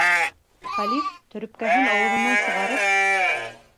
Хәлиф, төрөпкәһен ауыҙынан сығарып: